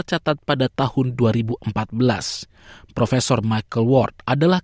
dan ada banyak panggilan merah di sekitar satu klay